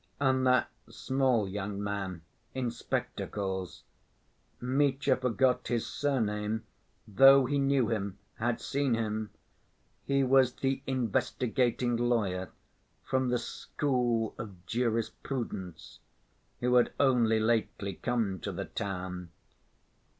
And that small young man in spectacles.... Mitya forgot his surname though he knew him, had seen him: he was the "investigating lawyer," from the "school of jurisprudence," who had only lately come to the town.